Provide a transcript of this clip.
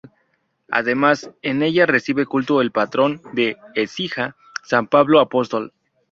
Además, en ella recibe culto el patrón de Écija: San Pablo Apóstol.